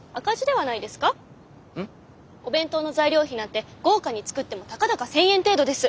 お弁当の材料費なんて豪華に作ってもたかだか１，０００円程度です。